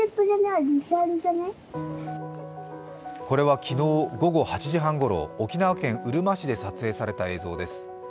これは昨日午後８時半ごろ沖縄県うるま市で撮影された映像です。